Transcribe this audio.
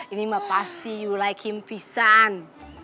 ini mah pasti you like him pisang